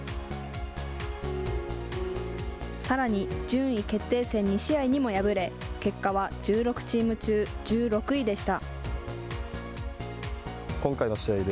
さらに、順位決定戦２試合にも敗れ、結果は１６チーム中１６位でした。